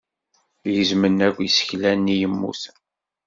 Gezmen akk isekla-nni yemmuten.